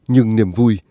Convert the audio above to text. nhưng niềm vui